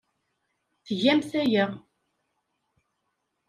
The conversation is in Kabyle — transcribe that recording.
Tgamt aya.